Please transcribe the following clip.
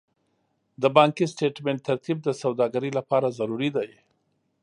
د بانکي سټېټمنټ ترتیب د سوداګرۍ لپاره ضروري دی.